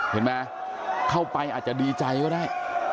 เห็นไหมเข้าไปอาจจะดีใจก็ได้